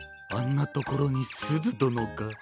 あんなところにすずどのが！